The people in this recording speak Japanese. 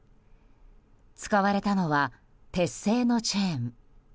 使われたのは鉄製のチェーン。